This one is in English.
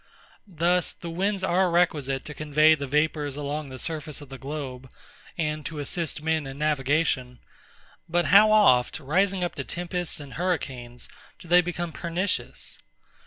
Thus, the winds are requisite to convey the vapours along the surface of the globe, and to assist men in navigation: but how oft, rising up to tempests and hurricanes, do they become pernicious?